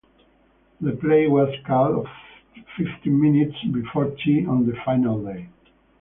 The play was called off fifteen minutes before tea on the final day.